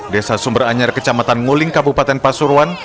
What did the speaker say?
desa sumber anyar kecamatan nguling kabupaten pasuruan